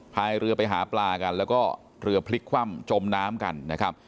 พายเรือไปหาปลากันแล้วก็เรือพลิกคว่ำจมน้ำกันนะครับ